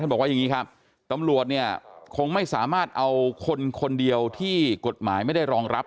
บอกว่าอย่างนี้ครับตำรวจเนี่ยคงไม่สามารถเอาคนคนเดียวที่กฎหมายไม่ได้รองรับ